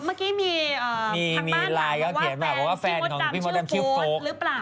เมื่อกี้มีทางบ้านบอกว่าแฟนชื่อโฟสหรือเปล่า